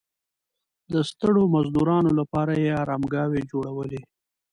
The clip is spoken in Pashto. د ستړو مزدورانو لپاره یې ارامګاوې جوړولې.